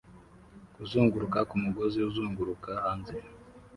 kuzunguruka ku mugozi uzunguruka hanze